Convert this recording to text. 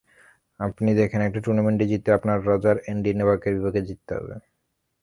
আপনি দেখেন, একটা টুর্নামেন্ট জিততেই আপনাকে রজার, অ্যান্ডি, নোভাকের বিপক্ষে জিততে হবে।